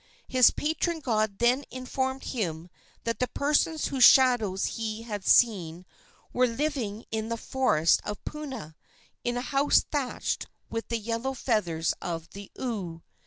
His patron god then informed him that the persons whose shadows he had seen were living in the forest of Puna, in a house thatched with the yellow feathers of the oo.